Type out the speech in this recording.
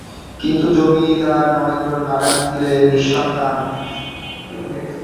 কিন্তু জমিদার নরেন্দ্র নারায়ণ ছিলেন নিঃসন্তান।